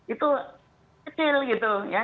itu kecil gitu ya